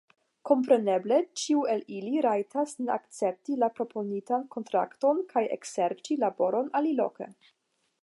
Kompreneble ĉiu el ili rajtas ne akcepti la proponitan kontrakton kaj ekserĉi laboron aliloke.